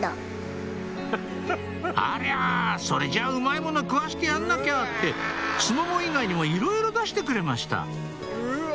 「ありゃそれじゃうまいもの食わしてやんなきゃ」ってスモモ以外にもいろいろ出してくれましたうわ！